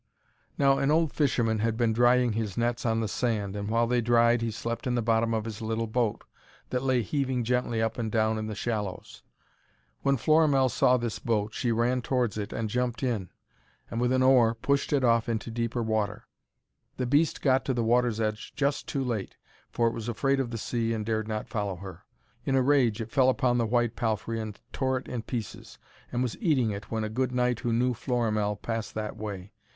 Now, an old fisherman had been drying his nets on the sand, and while they dried he slept in the bottom of his little boat, that lay heaving gently up and down in the shallows. When Florimell saw this boat, she ran towards it and jumped in, and, with an oar, pushed it off into deeper water. The beast got to the water's edge just too late, for it was afraid of the sea and dared not follow her. In a rage it fell upon the white palfrey and tore it in pieces, and was eating it when a good knight who knew Florimell passed that way.